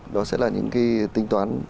đó sẽ là những cái tính toán